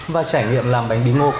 và trải nghiệm làm bánh bí ngô